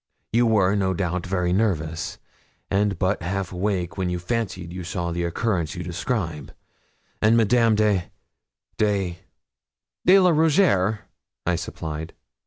You were, no doubt, very nervous, and but half awake when you fancied you saw the occurrence you describe; and Madame de de ' 'De la Rougierre,' I supplied.